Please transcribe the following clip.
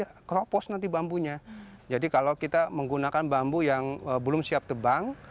kita keropos nanti bambunya jadi kalau kita menggunakan bambu yang belum siap tebang